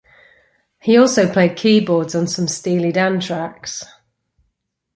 He also played keyboards on some Steely Dan tracks.